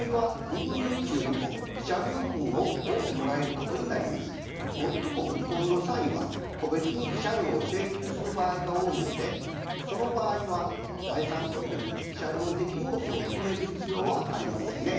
これをもっとも離婚の際は個別に慰謝料を請求する場合が多いのでその場合は財産分与に慰謝料的要素を含める必要はありませんね。